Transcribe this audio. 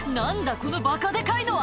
このバカデカいのは！